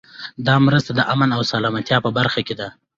دا مرسته د امن او سلامتیا په برخه کې ده.